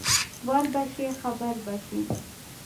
ور به شې خبر به شې.